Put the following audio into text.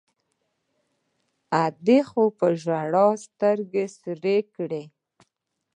ادې خو په ژړاوو سترګې سرې کړې.